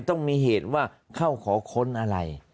ต้องมีเหตุว่าเข้าขอค้นอะไร